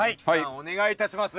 お願いいたします！